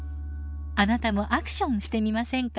あなたもアクションしてみませんか？